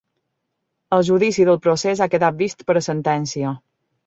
El judici del procés ha quedat vist per a sentència.